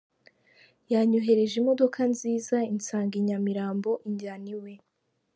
Yanyoherereje imodoka nziza insanga i Nyamirambo injyana iwe.